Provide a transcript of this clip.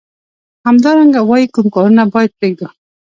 همدارنګه وايي کوم کارونه باید پریږدو.